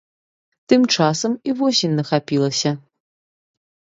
Тым часам і восень нахапілася.